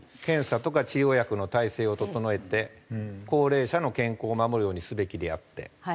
検査とか治療薬の体制を整えて高齢者の健康を守るようにすべきであって。